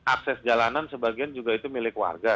akses jalanan sebagian juga itu milik warga